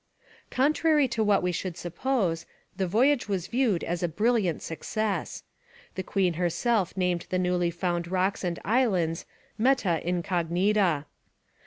Contrary to what we should suppose, the voyage was viewed as a brilliant success. The queen herself named the newly found rocks and islands Meta Incognita.